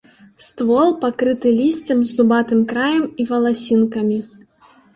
Ствол пакрыты лісцем з зубатым краем і валасінкамі.